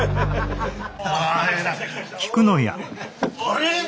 あれ！？